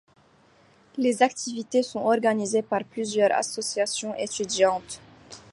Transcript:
Les activités sont organisées par plusieurs associations étudiantes.